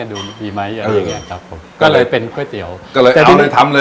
สวัสดีครับผมสวัสดีครับผม